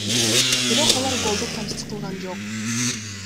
Бирок алар голду камсыз кылган жок.